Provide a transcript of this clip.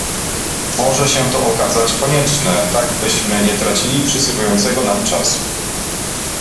Może się to okazać konieczne, tak byśmy nie tracili przysługującego nam czasu